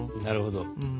なるほど。